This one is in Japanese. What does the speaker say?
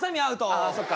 ああそっか。